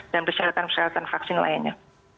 dan persyaratan persyaratan vaksin lainnya